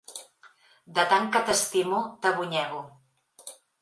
De tant que t'estimo, t'abonyego.